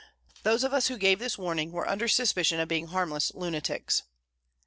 Those of us who gave this warning were under suspicion of being harmless lunatics.